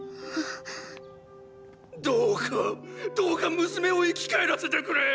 どうかどうか娘を生き返らせてくれ！